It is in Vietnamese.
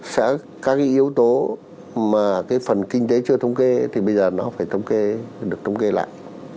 sẽ các yếu tố mà cái phần kinh tế chưa thống kê thì bây giờ nó phải được thống kê lại